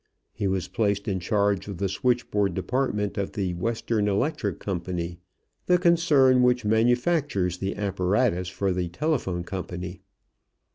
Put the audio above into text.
He was placed in charge of the switchboard department of the Western Electric Company, the concern which manufactures the apparatus for the telephone company.